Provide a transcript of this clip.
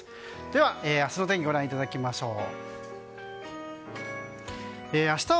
では、明日の天気をご覧いただきましょう。